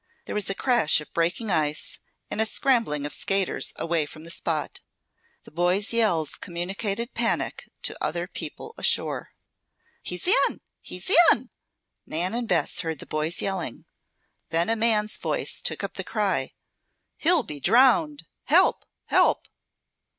There was a crash of breaking ice and a scrambling of skaters away from the spot. The boys' yells communicated panic to other people ashore. "He's in! He's in!" Nan and Bess heard the boys yelling. Then a man's voice took up the cry: "He'll be drowned! Help! Help!"